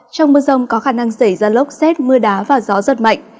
trong mưa rông có khả năng xảy ra lốc xét mưa đá và gió giật mạnh